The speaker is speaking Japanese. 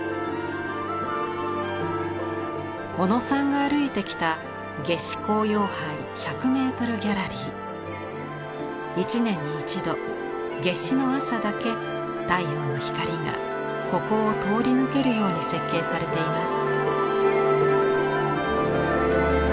小野さんが歩いてきた一年に一度夏至の朝だけ太陽の光がここを通り抜けるように設計されています。